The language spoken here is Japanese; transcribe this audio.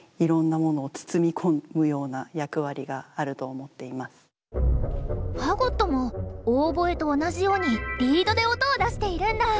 すべて下で支えてファゴットもオーボエと同じようにリードで音を出しているんだ！